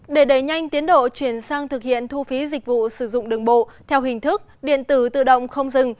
để đẩy nhanh tiến độ chuyển sang thực hiện thu phí dịch vụ sử dụng đường bộ theo hình thức điện tử tự động không dừng